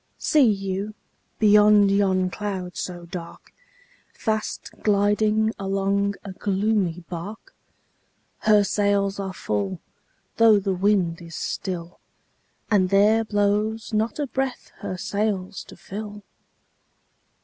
See you, beneath yon cloud so dark, Fast gliding along a gloomy bark? Her sails are full, though the wind is still, And there blows not a breath her sails to fill!